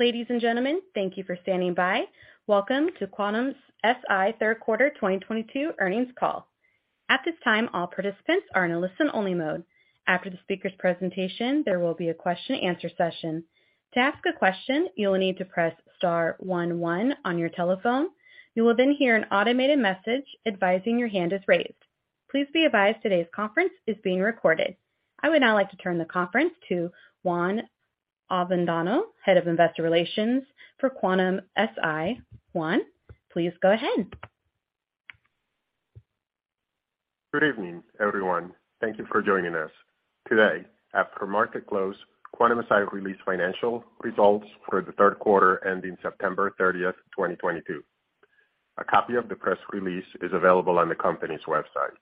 Ladies and gentlemen, thank you for standing by. Welcome to Quantum-Si Third Quarter 2022 earnings call. At this time, all participants are in a listen only mode. After the speaker's presentation, there will be a question and answer session. To ask a question, you will need to press star one one on your telephone. You will then hear an automated message advising your hand is raised. Please be advised today's conference is being recorded. I would now like to turn the conference to Juan Avendano, Head of Investor Relations for Quantum-Si. Juan, please go ahead. Good evening, everyone. Thank you for joining us. Today, after market close, Quantum-Si released financial results for the Third Quarter ending September 30th, 2022. A copy of the press release is available on the company's website.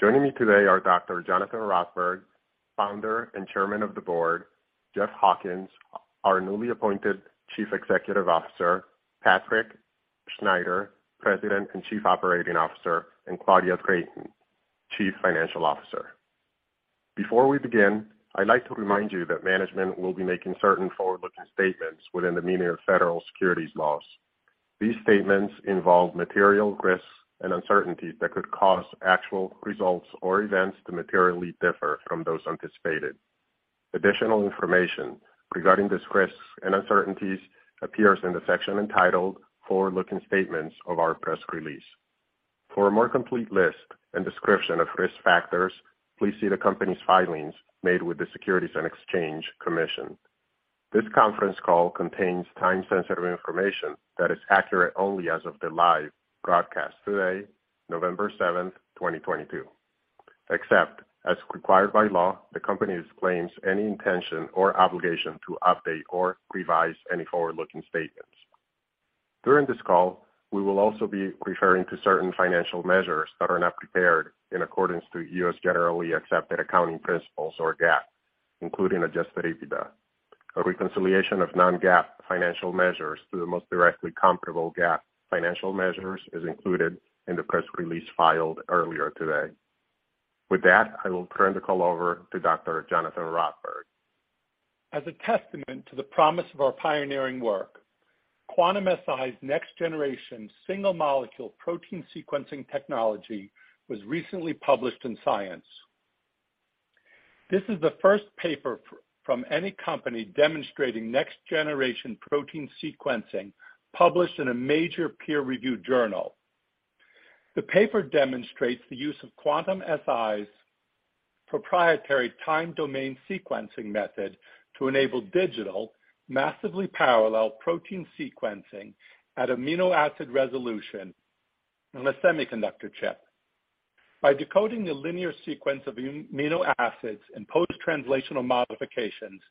Joining me today are Dr. Jonathan Rothberg, Founder and Chairman of the Board, Jeff Hawkins, our newly appointed Chief Executive Officer, Patrick Schneider, President and Chief Operating Officer, and Claudia Creighton, Chief Financial Officer. Before we begin, I'd like to remind you that management will be making certain forward-looking statements within the meaning of federal securities laws. These statements involve material risks and uncertainties that could cause actual results or events to materially differ from those anticipated. Additional information regarding these risks and uncertainties appears in the section entitled Forward Looking Statements of our press release. For a more complete list and description of risk factors, please see the company's filings made with the Securities and Exchange Commission. This conference call contains time sensitive information that is accurate only as of the live broadcast today, November 7th, 2022. Except as required by law, the company disclaims any intention or obligation to update or revise any forward-looking statements. During this call, we will also be referring to certain financial measures that are not prepared in accordance to U.S. generally accepted accounting principles or GAAP, including adjusted EBITDA. A reconciliation of non-GAAP financial measures to the most directly comparable GAAP financial measures is included in the press release filed earlier today. With that, I will turn the call over to Dr. Jonathan Rothberg. As a testament to the promise of our pioneering work, Quantum-Si's next-generation single-molecule protein sequencing technology was recently published in Science. This is the first paper from any company demonstrating next-generation protein sequencing published in a major peer review journal. The paper demonstrates the use of Quantum-Si's proprietary time-domain sequencing method to enable digital, massively parallel protein sequencing at amino acid resolution in a semiconductor chip. By decoding the linear sequence of amino acids and post-translational modifications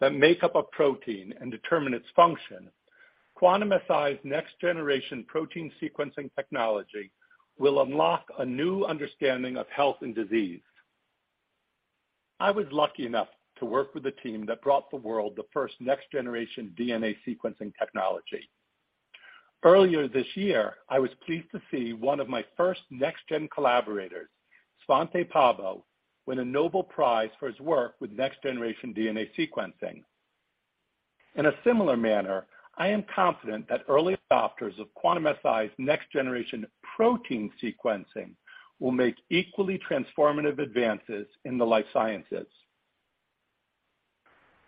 that make up a protein and determine its function, Quantum-Si's next-generation protein sequencing technology will unlock a new understanding of health and disease. I was lucky enough to work with the team that brought the world the first next-generation DNA sequencing technology. Earlier this year, I was pleased to see one of my first next gen collaborators, Svante Pääbo, win a Nobel Prize for his work with next-generation DNA sequencing. In a similar manner, I am confident that early adopters of Quantum-Si's next-generation protein sequencing will make equally transformative advances in the life sciences.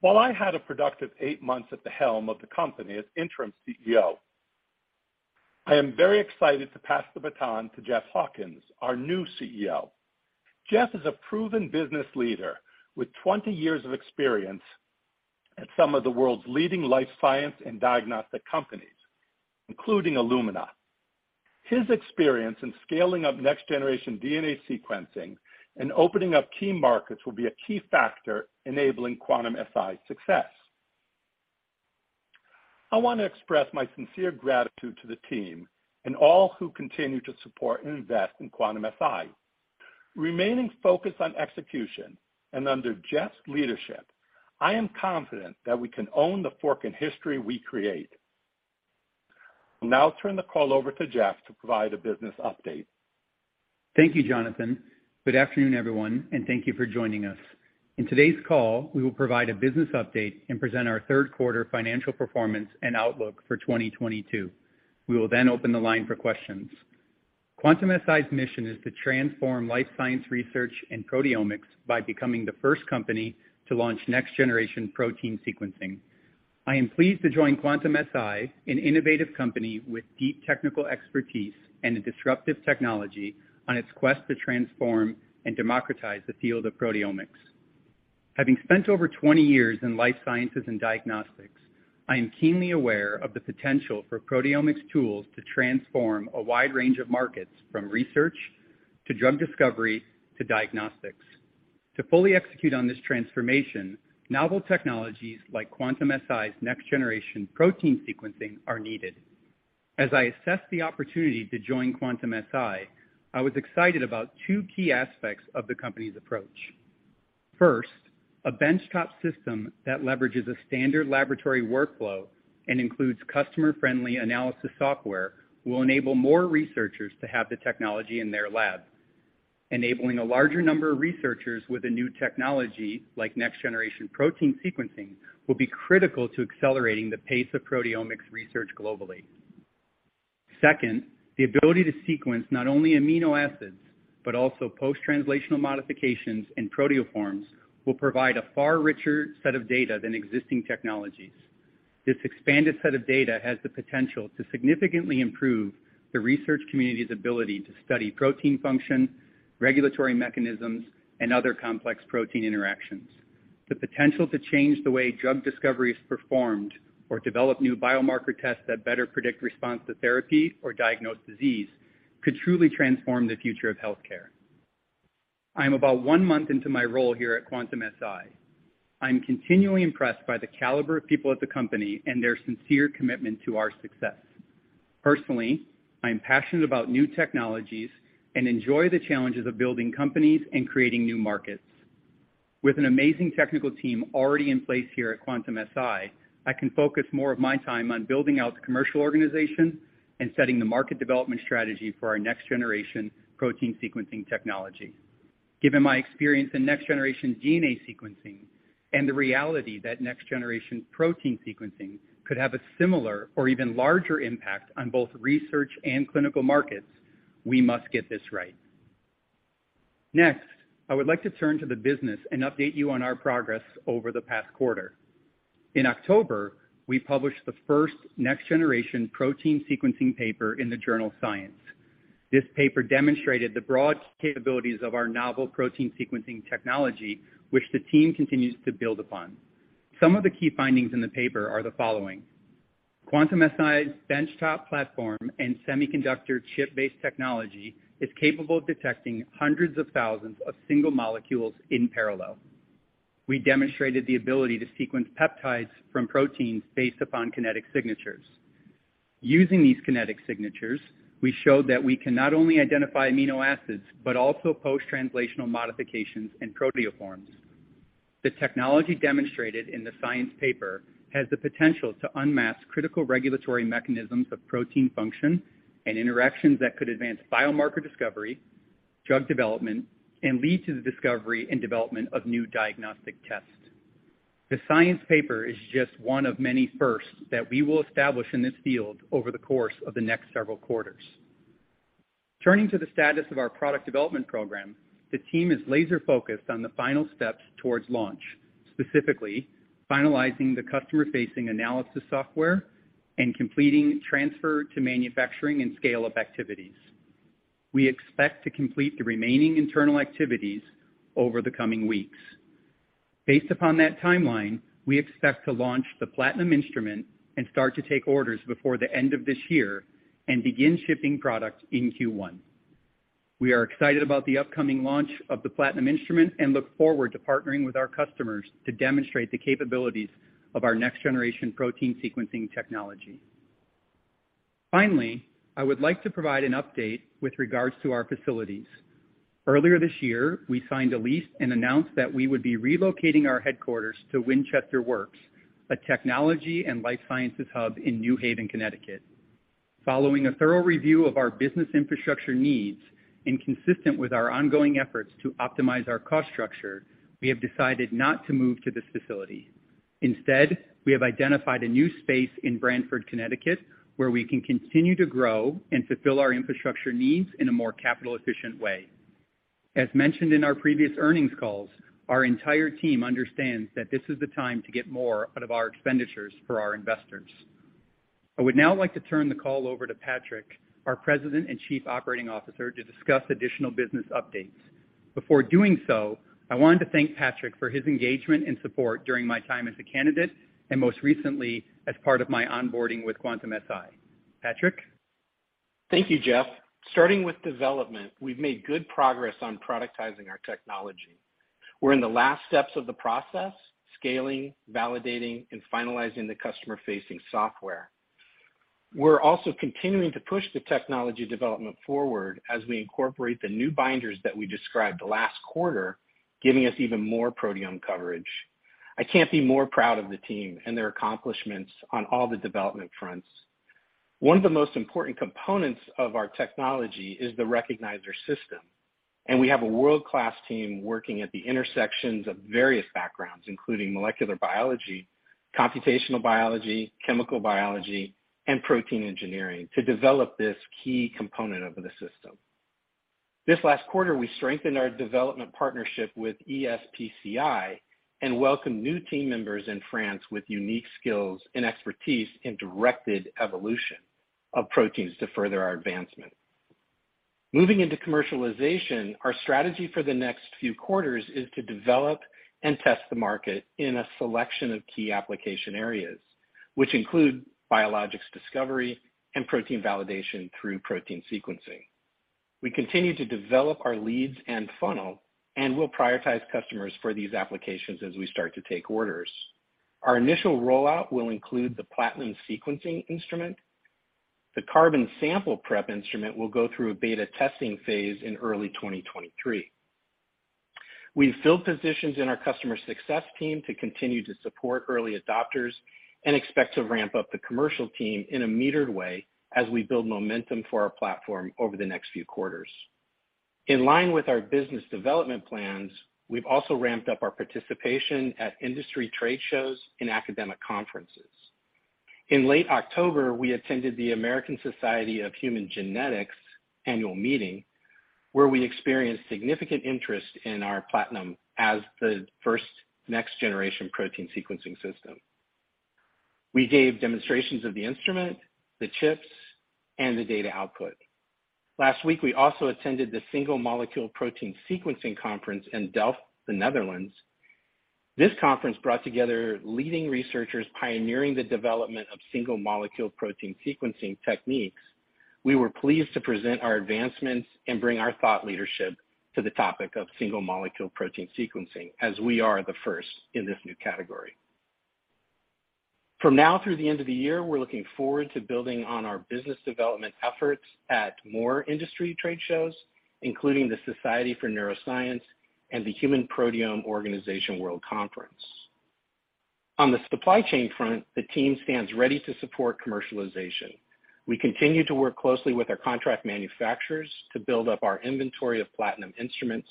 While I had a productive eight months at the helm of the company as interim CEO, I am very excited to pass the baton to Jeff Hawkins, our new CEO. Jeff is a proven business leader with 20 years of experience at some of the world's leading life science and diagnostic companies, including Illumina. His experience in scaling up next-generation DNA sequencing and opening up key markets will be a key factor enabling Quantum-Si's success. I want to express my sincere gratitude to the team and all who continue to support and invest in Quantum-Si. Remaining focused on execution and under Jeff's leadership, I am confident that we can own the fork in history we create. I will now turn the call over to Jeff to provide a business update. Thank you, Jonathan. Good afternoon, everyone, and thank you for joining us. In today's call, we will provide a business update and present our third quarter financial performance and outlook for 2022. We will then open the line for questions. Quantum-Si's mission is to transform life science research in proteomics by becoming the first company to launch next-generation protein sequencing. I am pleased to join Quantum-Si, an innovative company with deep technical expertise and a disruptive technology on its quest to transform and democratize the field of proteomics. Having spent over 20 years in life sciences and diagnostics, I am keenly aware of the potential for proteomics tools to transform a wide range of markets, from research to drug discovery to diagnostics. To fully execute on this transformation, novel technologies like Quantum-Si's next-generation protein sequencing are needed. As I assessed the opportunity to join Quantum-Si, I was excited about two key aspects of the company's approach. First, a benchtop system that leverages a standard laboratory workflow and includes customer-friendly analysis software will enable more researchers to have the technology in their lab. Enabling a larger number of researchers with a new technology like next-generation protein sequencing will be critical to accelerating the pace of proteomics research globally. Second, the ability to sequence not only amino acids, but also post-translational modifications and proteoforms will provide a far richer set of data than existing technologies. This expanded set of data has the potential to significantly improve the research community's ability to study protein function, regulatory mechanisms, and other complex protein interactions. The potential to change the way drug discovery is performed or develop new biomarker tests that better predict response to therapy or diagnose disease, could truly transform the future of healthcare. I am about one month into my role here at Quantum-Si. I'm continually impressed by the caliber of people at the company and their sincere commitment to our success. Personally, I am passionate about new technologies and enjoy the challenges of building companies and creating new markets. With an amazing technical team already in place here at Quantum-Si, I can focus more of my time on building out the commercial organization and setting the market development strategy for our next-generation protein sequencing technology. Given my experience in next-generation DNA sequencing and the reality that next-generation protein sequencing could have a similar or even larger impact on both research and clinical markets, we must get this right. I would like to turn to the business and update you on our progress over the past quarter. In October, we published the first next-generation protein sequencing paper in the journal "Science." This paper demonstrated the broad capabilities of our novel protein sequencing technology, which the team continues to build upon. Some of the key findings in the paper are the following. Quantum-Si's benchtop platform and semiconductor chip-based technology is capable of detecting hundreds of thousands of single molecules in parallel. We demonstrated the ability to sequence peptides from proteins based upon kinetic signatures. Using these kinetic signatures, we showed that we can not only identify amino acids, but also post-translational modifications and proteoforms. The technology demonstrated in the "Science" paper has the potential to unmask critical regulatory mechanisms of protein function and interactions that could advance biomarker discovery, drug development, and lead to the discovery and development of new diagnostic tests. The "Science" paper is just one of many firsts that we will establish in this field over the course of the next several quarters. Turning to the status of our product development program, the team is laser-focused on the final steps towards launch, specifically finalizing the customer-facing analysis software and completing transfer to manufacturing and scale-up activities. We expect to complete the remaining internal activities over the coming weeks. Based upon that timeline, we expect to launch the Platinum instrument and start to take orders before the end of this year and begin shipping product in Q1. We are excited about the upcoming launch of the Platinum instrument and look forward to partnering with our customers to demonstrate the capabilities of our next-generation protein sequencing technology. I would like to provide an update with regards to our facilities. Earlier this year, we signed a lease and announced that we would be relocating our headquarters to Winchester Works, a technology and life sciences hub in New Haven, Connecticut. Following a thorough review of our business infrastructure needs and consistent with our ongoing efforts to optimize our cost structure, we have decided not to move to this facility. Instead, we have identified a new space in Branford, Connecticut, where we can continue to grow and fulfill our infrastructure needs in a more capital-efficient way. As mentioned in our previous earnings calls, our entire team understands that this is the time to get more out of our expenditures for our investors. I would now like to turn the call over to Patrick, our President and Chief Operating Officer, to discuss additional business updates. Before doing so, I wanted to thank Patrick for his engagement and support during my time as a candidate and most recently as part of my onboarding with Quantum-Si. Patrick? Thank you, Jeff. Starting with development, we've made good progress on productizing our technology. We're in the last steps of the process, scaling, validating, and finalizing the customer-facing software. We're also continuing to push the technology development forward as we incorporate the new binders that we described last quarter, giving us even more proteome coverage. I can't be more proud of the team and their accomplishments on all the development fronts. One of the most important components of our technology is the recognizer system, and we have a world-class team working at the intersections of various backgrounds, including molecular biology, computational biology, chemical biology, and protein engineering, to develop this key component of the system. This last quarter, we strengthened our development partnership with ESPCI and welcomed new team members in France with unique skills and expertise in directed evolution of proteins to further our advancement. Moving into commercialization, our strategy for the next few quarters is to develop and test the market in a selection of key application areas, which include biologics discovery and protein validation through protein sequencing. We continue to develop our leads and funnel, and we'll prioritize customers for these applications as we start to take orders. Our initial rollout will include the Platinum sequencing instrument. The Carbon sample prep instrument will go through a beta testing phase in early 2023. We've filled positions in our customer success team to continue to support early adopters and expect to ramp up the commercial team in a metered way as we build momentum for our platform over the next few quarters. In line with our business development plans, we've also ramped up our participation at industry trade shows and academic conferences. In late October, we attended the American Society of Human Genetics Annual Meeting, where we experienced significant interest in our Platinum as the first next-generation protein sequencing system. We gave demonstrations of the instrument, the chips, and the data output. Last week, we also attended the Single-molecule Protein Sequencing conference in Delft, the Netherlands. This conference brought together leading researchers pioneering the development of single-molecule protein sequencing techniques. We were pleased to present our advancements and bring our thought leadership to the topic of single-molecule protein sequencing, as we are the first in this new category. From now through the end of the year, we're looking forward to building on our business development efforts at more industry trade shows, including the Society for Neuroscience and the Human Proteome Organization World Conference. On the supply chain front, the team stands ready to support commercialization. We continue to work closely with our contract manufacturers to build up our inventory of Platinum instruments.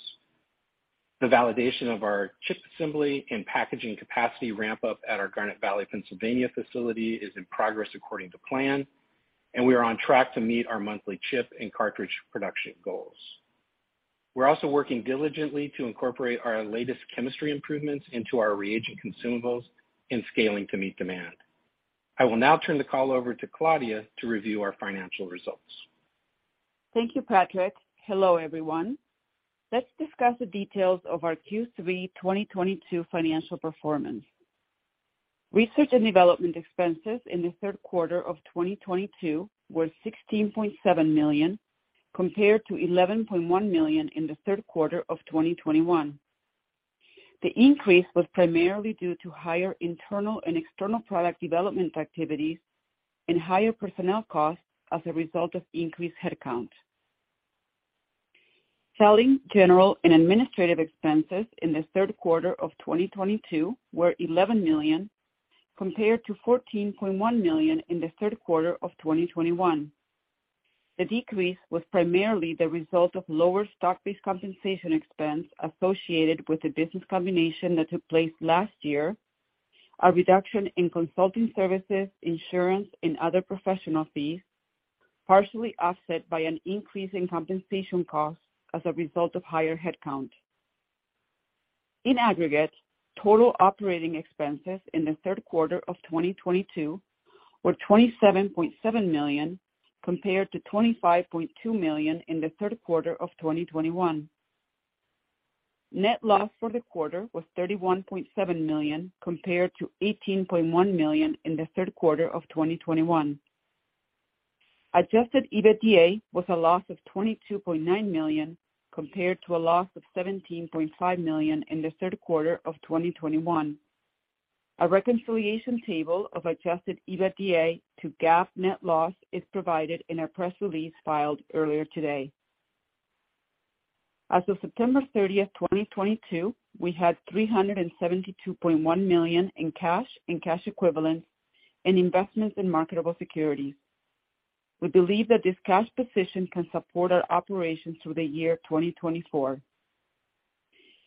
The validation of our chip assembly and packaging capacity ramp up at our Garnet Valley, Pennsylvania facility is in progress according to plan, and we are on track to meet our monthly chip and cartridge production goals. We're also working diligently to incorporate our latest chemistry improvements into our reagent consumables and scaling to meet demand. I will now turn the call over to Claudia to review our financial results. Thank you, Patrick. Hello, everyone. Let's discuss the details of our Q3 2022 financial performance. Research and development expenses in the third quarter of 2022 were $16.7 million, compared to $11.1 million in the third quarter of 2021. The increase was primarily due to higher internal and external product development activities and higher personnel costs as a result of increased headcount. Selling, general, and administrative expenses in the third quarter of 2022 were $11 million, compared to $14.1 million in the third quarter of 2021. The decrease was primarily the result of lower stock-based compensation expense associated with the business combination that took place last year, a reduction in consulting services, insurance, and other professional fees, partially offset by an increase in compensation costs as a result of higher headcount. In aggregate, total operating expenses in the third quarter of 2022 were $27.7 million, compared to $25.2 million in the third quarter of 2021. Net loss for the quarter was $31.7 million, compared to $18.1 million in the third quarter of 2021. adjusted EBITDA was a loss of $22.9 million, compared to a loss of $17.5 million in the third quarter of 2021. A reconciliation table of adjusted EBITDA to GAAP net loss is provided in our press release filed earlier today. As of September 30th, 2022, we had $372.1 million in cash and cash equivalents in investments in marketable securities. We believe that this cash position can support our operations through the year 2024.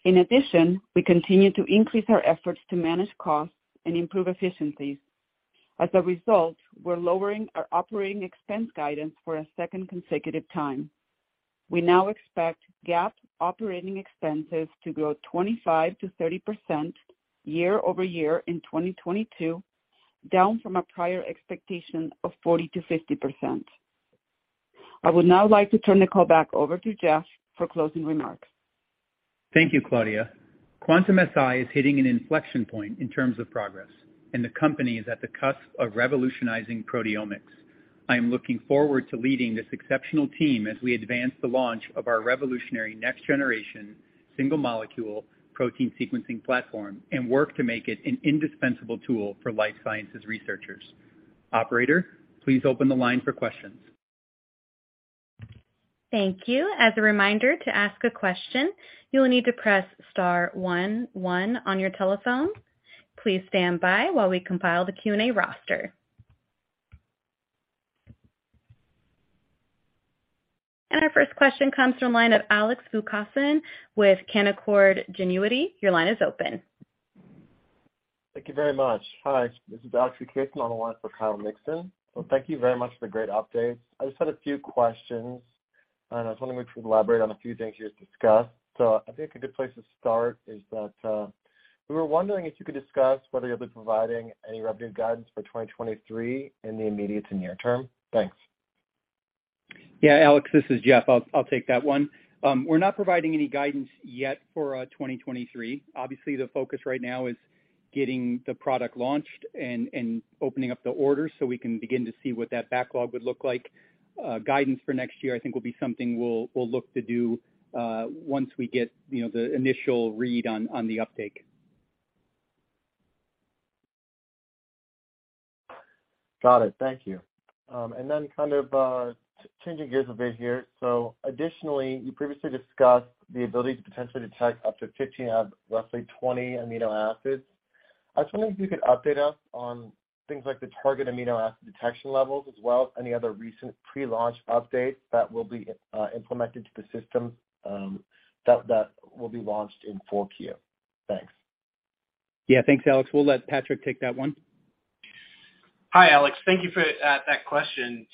In addition, we continue to increase our efforts to manage costs and improve efficiencies. As a result, we're lowering our operating expense guidance for a second consecutive time. We now expect GAAP operating expenses to grow 25%-30% year-over-year in 2022, down from a prior expectation of 40%-50%. I would now like to turn the call back over to Jeff for closing remarks. Thank you, Claudia. Quantum-Si is hitting an inflection point in terms of progress, and the company is at the cusp of revolutionizing proteomics. I am looking forward to leading this exceptional team as we advance the launch of our revolutionary next-generation single-molecule protein sequencing platform and work to make it an indispensable tool for life sciences researchers. Operator, please open the line for questions. Thank you. As a reminder, to ask a question, you will need to press star one one on your telephone. Please stand by while we compile the Q&A roster. Our first question comes from line of Alex Vukasin with Canaccord Genuity. Your line is open. Thank you very much. Hi, this is Alex Vukasin on the line for Kyle Mikson. Thank you very much for the great updates. I just had a few questions. I was wondering if you could elaborate on a few things you just discussed. I think a good place to start is that we were wondering if you could discuss whether you'll be providing any revenue guidance for 2023 in the immediate to near term. Thanks. Yeah, Alex, this is Jeff. I'll take that one. We're not providing any guidance yet for 2023. Obviously, the focus right now is getting the product launched and opening up the orders we can begin to see what that backlog would look like. Guidance for next year, I think, will be something we'll look to do once we get the initial read on the uptake. Got it. Thank you. Kind of changing gears a bit here. Additionally, you previously discussed the ability to potentially detect up to 15 out of roughly 20 amino acids. I was wondering if you could update us on things like the target amino acid detection levels, as well as any other recent pre-launch updates that will be implemented to the system that will be launched in 4Q. Thanks. Thanks, Alex. We'll let Patrick take that one. Hi, Alex. Thank you for that question.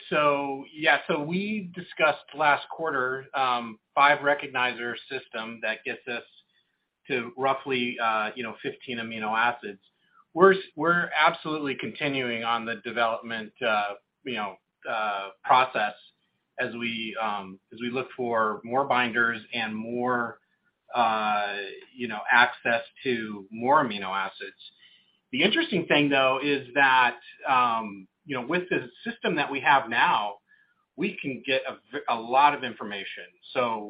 We discussed last quarter, five recognizer system that gets us to roughly 15 amino acids. We're absolutely continuing on the development process as we look for more binders and more access to more amino acids. The interesting thing, though, is that with the system that we have now, we can get a lot of information.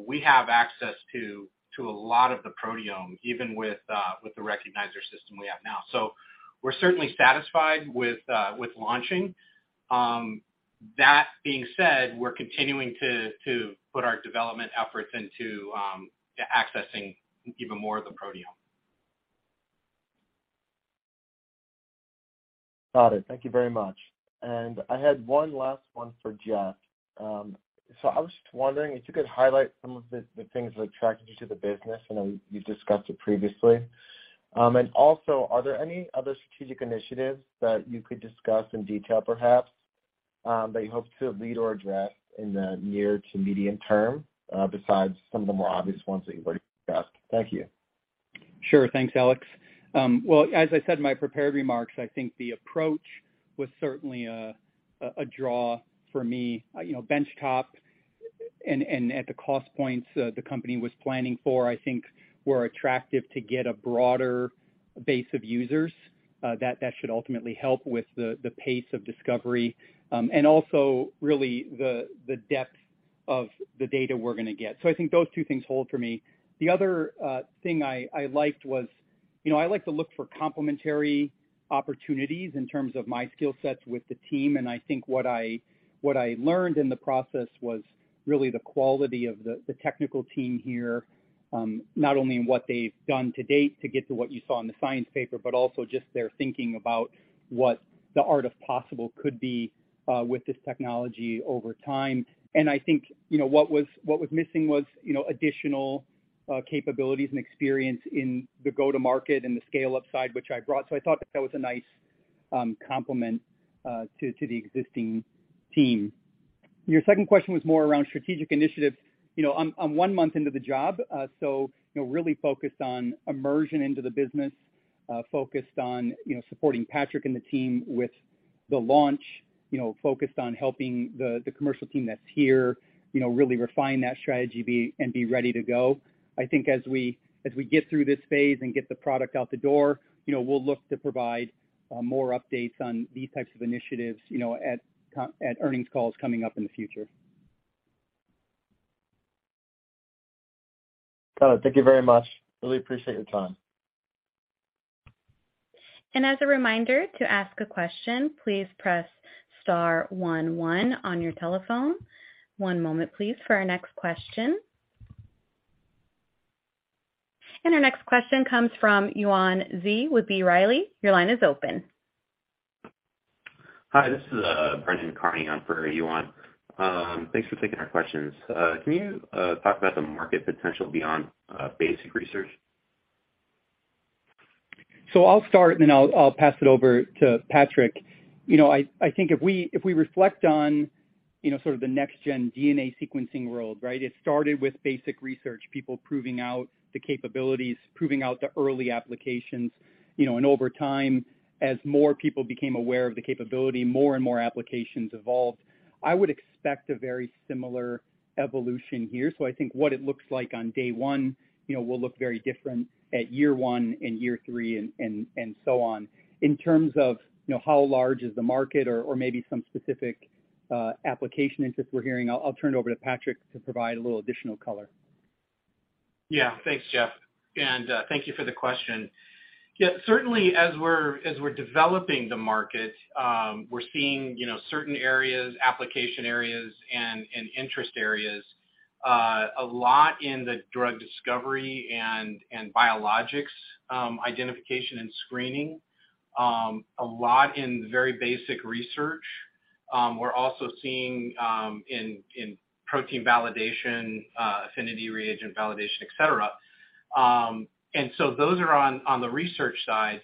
We have access to a lot of the proteome, even with the recognizer system we have now. We're certainly satisfied with launching. That being said, we're continuing to put our development efforts into accessing even more of the proteome. Got it. Thank you very much. I had one last one for Jeff. I was just wondering if you could highlight some of the things that attracted you to the business. I know you've discussed it previously. Are there any other strategic initiatives that you could discuss in detail, perhaps, that you hope to lead or address in the near to medium term, besides some of the more obvious ones that you've already discussed? Thank you. Sure. Thanks, Alex Vukasin. Well, as I said in my prepared remarks, I think the approach was certainly a draw for me. Bench top and at the cost points the company was planning for, I think were attractive to get a broader base of users that should ultimately help with the pace of discovery. Also really the depth of the data we're going to get. I think those two things hold for me. The other thing I liked was, I like to look for complementary opportunities in terms of my skill sets with the team, and I think what I learned in the process was really the quality of the technical team here. Not only in what they've done to date to get to what you saw in the Science paper, but also just their thinking about what the art of possible could be with this technology over time. I think what was missing was additional capabilities and experience in the go-to-market and the scale-up side, which I brought. I thought that that was a nice complement to the existing team. Your second question was more around strategic initiatives. I'm one month into the job, so really focused on immersion into the business, focused on supporting Patrick and the team with the launch, focused on helping the commercial team that's here really refine that strategy and be ready to go. I think as we get through this phase and get the product out the door, we'll look to provide more updates on these types of initiatives at earnings calls coming up in the future. Got it. Thank you very much. Really appreciate your time. As a reminder, to ask a question, please press *11 on your telephone. One moment, please, for our next question. Our next question comes from Yuan Ji with B. Riley. Your line is open. Hi, this is Brandon Carney on for Yuan. Thanks for taking our questions. Can you talk about the market potential beyond basic research? I'll start and then I'll pass it over to Patrick. I think if we reflect on sort of the next-generation DNA sequencing world, right? It started with basic research, people proving out the capabilities, proving out the early applications. Over time, as more people became aware of the capability, more and more applications evolved. I would expect a very similar evolution here. I think what it looks like on day one will look very different at year one and year three and so on. In terms of how large is the market or maybe some specific application interest we're hearing, I'll turn it over to Patrick to provide a little additional color. Thanks, Jeff, thank you for the question. Certainly as we're developing the market, we're seeing certain areas, application areas, and interest areas, a lot in the drug discovery and biologics identification and screening. A lot in very basic research. We're also seeing in protein validation, affinity reagent validation, et cetera. Those are on the research side,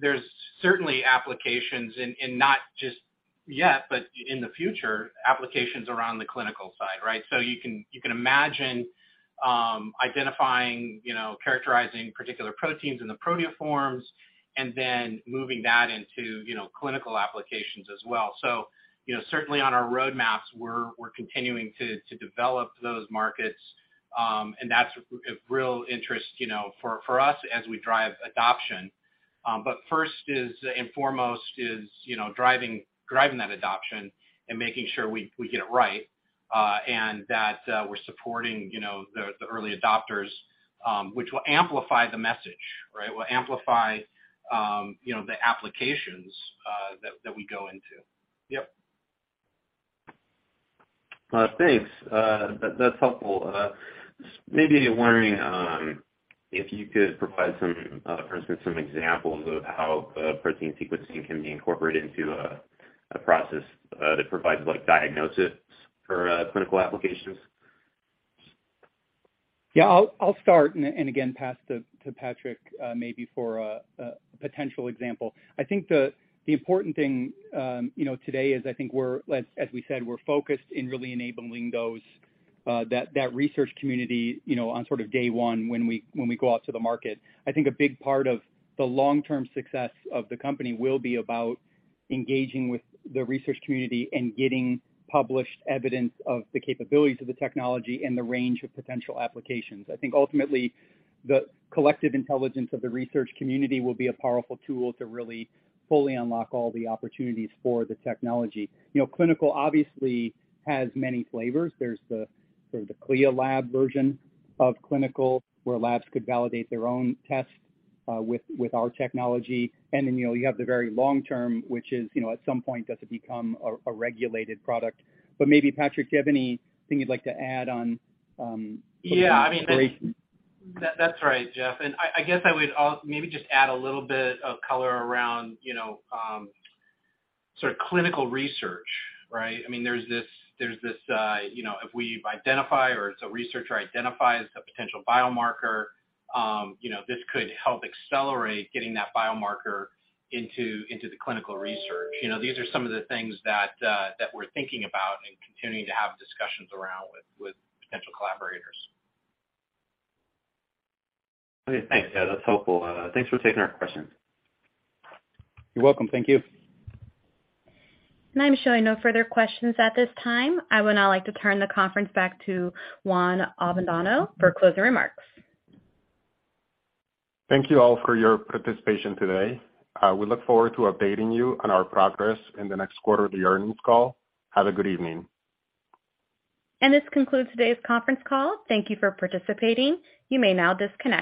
there's certainly applications in not just yet, but in the future, applications around the clinical side, right? You can imagine identifying, characterizing particular proteins in the proteoforms, moving that into clinical applications as well. Certainly on our roadmaps, we're continuing to develop those markets, that's of real interest for us as we drive adoption. First and foremost is driving that adoption and making sure we get it right that we're supporting the early adopters, which will amplify the message, right? Will amplify the applications that we go into. Thanks. That's helpful. Just maybe wondering if you could provide, for instance, some examples of how protein sequencing can be incorporated into a process that provides diagnosis for clinical applications. Yeah, I'll start and, again, pass to Patrick maybe for a potential example. I think the important thing today is I think we're, as we said, we're focused in really enabling that research community on sort of day one when we go out to the market. I think a big part of the long-term success of the company will be about engaging with the research community and getting published evidence of the capabilities of the technology and the range of potential applications. I think ultimately, the collective intelligence of the research community will be a powerful tool to really fully unlock all the opportunities for the technology. Clinical obviously has many flavors. There's the CLIA lab version of clinical, where labs could validate their own test with our technology, and then you have the very long term, which is, at some point, does it become a regulated product? Maybe Patrick, do you have anything you'd like to add? Yeah, I mean. integration? That's right, Jeff, I guess I would maybe just add a little bit of color around clinical research, right? If we identify or a researcher identifies a potential biomarker, this could help accelerate getting that biomarker into the clinical research. These are some of the things that we're thinking about and continuing to have discussions around with potential collaborators. Okay, thanks. Yeah, that's helpful. Thanks for taking our questions. You're welcome. Thank you. I'm showing no further questions at this time. I would now like to turn the conference back to Juan Avendano for closing remarks. Thank you all for your participation today. We look forward to updating you on our progress in the next quarterly earnings call. Have a good evening. This concludes today's conference call. Thank you for participating. You may now disconnect.